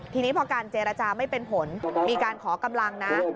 ทีนี้พอการเจรจาไม่เป็นผลมีการขอกำลังนะ